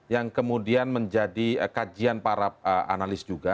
yang kemudian menjadi kajian para analis juga